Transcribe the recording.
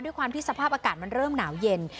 ด้วยความที่สภาพอากาศมันเริ่มหนาวเย็น